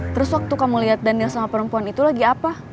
terus waktu kamu lihat daniel sama perempuan itu lagi apa